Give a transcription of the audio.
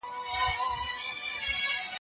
زه پرون د سبا لپاره د سوالونو جواب ورکوم؟!